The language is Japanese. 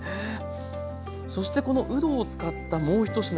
そしてこのうどを使ったもう一品